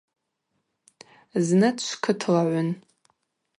Зны дшвкытлагӏвын.